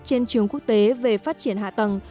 trên trường quốc tế về phát triển hạ tầng